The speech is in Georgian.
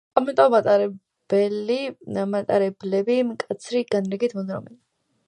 ამიტომაც, მატარებლები მკაცრი განრიგით მოძრაობენ.